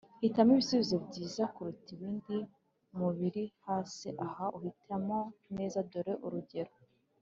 Hitamo ibisubizo byiza kuruta ibindi mu biri hasi aha uhitamo neza Dore urugero